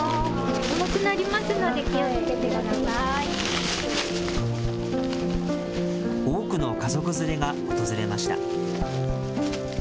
重くなりますので、多くの家族連れが訪れました。